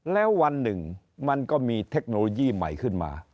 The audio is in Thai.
แล้ววันหนึ่งมันก็มีเทคโนโลยีใหม่ขึ้นมา